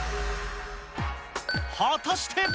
果たして。